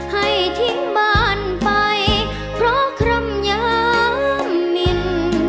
ให้ทิ้งบ้านไปเพราะคำย้ำนิ่น